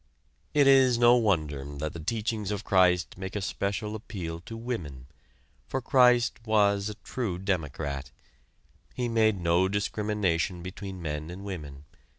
It is no wonder that the teachings of Christ make a special appeal to women, for Christ was a true democrat. He made no discrimination between men and women.